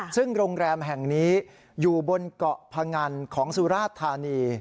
ซึ่งโรงแรมแห่งนี้อยู่บนเกาะพงันของสุราชธานี